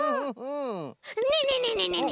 ねえねえねえねえねえ。